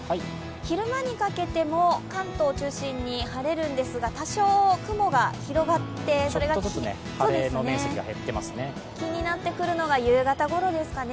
昼間にかけても関東を中心に晴れるんですが、多少雲が広がって、それが気になってくるのが夕方ごろですかね。